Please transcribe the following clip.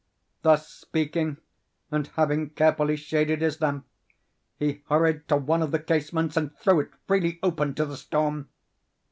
Thus speaking, and having carefully shaded his lamp, he hurried to one of the casements, and threw it freely open to the storm.